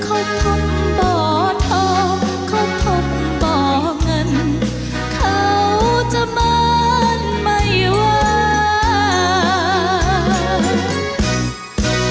ขอพรมบ่อทองขอพรมบ่อเงินเขาจะมารไมว่า